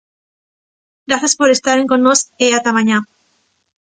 Grazas por estaren con nós e ata mañá.